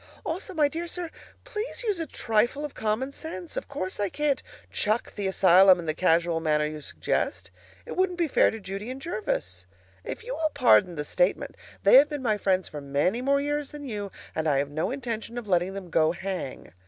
Also, my dear sir, please use a trifle of common sense. Of course I can't chuck the asylum in the casual manner you suggest. It wouldn't be fair to Judy and Jervis. If you will pardon the statement, they have been my friends for many more years than you, and I have no intention of letting them go hang.